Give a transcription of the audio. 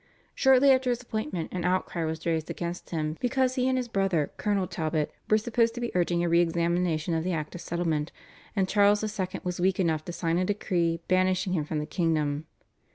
Shortly after his appointment an outcry was raised against him because he and his brother, Colonel Talbot, were supposed to be urging a re examination of the Act of Settlement, and Charles II. was weak enough to sign a decree banishing him from the kingdom.